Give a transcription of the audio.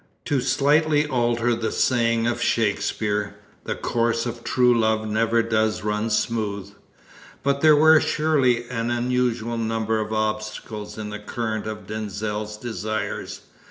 To slightly alter the saying of Shakespeare, "the course of true love never does run smooth," but there were surely an unusual number of obstacles in the current of Denzil's desires.